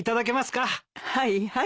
はいはい。